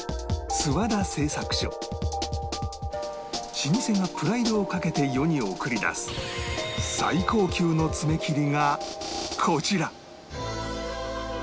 老舗がプライドをかけて世に送り出す最高級の爪切りがこちら